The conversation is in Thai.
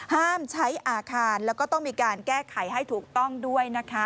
ห้ามใช้อาคารแล้วก็ต้องมีการแก้ไขให้ถูกต้องด้วยนะคะ